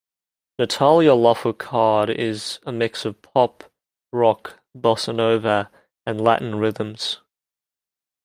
"Natalia Lafourcade" is a mix of pop, rock, bossa-nova and Latin rhythms.